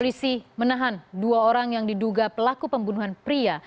polisi menahan dua orang yang diduga pelaku pembunuhan pria